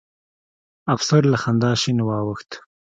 افسر له خندا شين واوښت.